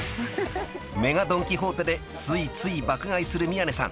［ＭＥＧＡドン・キホーテでついつい爆買いする宮根さん］